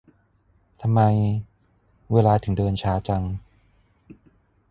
ทำไมเวลาถึงเดินช้าจัง